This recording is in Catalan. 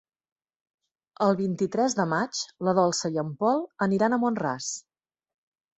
El vint-i-tres de maig na Dolça i en Pol aniran a Mont-ras.